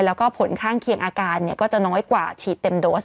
แล้วก็ผลข้างเคียงอาการก็จะน้อยกว่าฉีดเต็มโดส